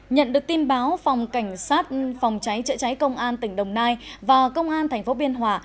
nhận được tin báo phòng cảnh sát phòng cháy chữa cháy công an tỉnh đồng nai và công an tp biên hòa